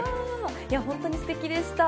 本当にすてきでした。